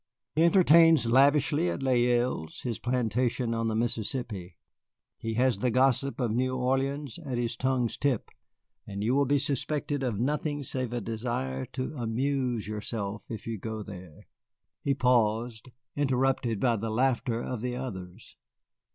He entertains lavishly at Les Îles, his plantation on the Mississippi. He has the gossip of New Orleans at his tongue's tip, and you will be suspected of nothing save a desire to amuse yourselves if you go there." He paused, interrupted by the laughter of the others.